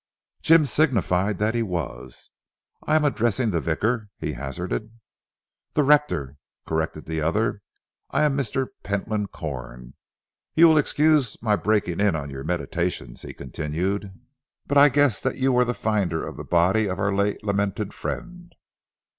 Jim signified that he was. "I am, addressing the vicar?" he hazarded. "The rector," corrected the other. "I am Mr. Pentland Corn. You will excuse my breaking in on your meditations," he continued, "but I guessed that you were the finder of the body of our late lamented friend."